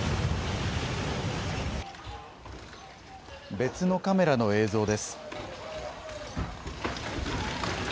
別のカメラの映像です。